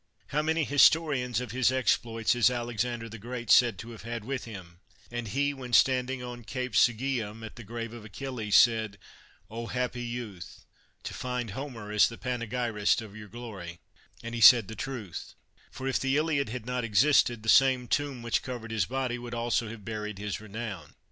How many historians of his exploits is Alexander the Great said to have had with him; and he, when standing on Cape Sigeum at the grave of Achilles, said, 0 happy youth, to find Homer as the panegyrist of your glory I" And he said the truth; for, if the 144 CICERO Iliad had not existed, the same tomb which cov ered his body would have also buried his renown.